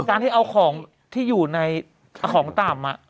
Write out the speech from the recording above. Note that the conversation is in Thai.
การที่เอาของที่อยู่ในของต่ำ